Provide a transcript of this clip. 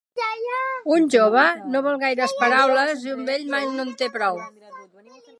Un jove no vol gaires paraules i un vell mai no en té prou.